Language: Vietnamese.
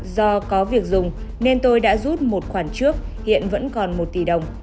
do có việc dùng nên tôi đã rút một khoản trước hiện vẫn còn một tỷ đồng